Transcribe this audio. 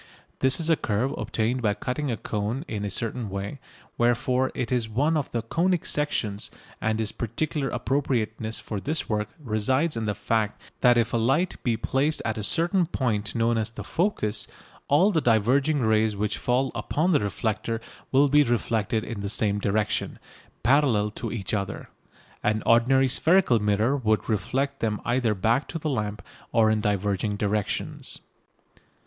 This is a curve obtained by cutting a cone in a certain way, wherefore it is one of the "conic sections," and its particular appropriateness for this work resides in the fact that if a light be placed at a certain point known as the "focus" all the diverging rays which fall upon the reflector will be reflected in the same direction, parallel to each other. An ordinary spherical mirror would reflect them either back to the lamp or in diverging directions.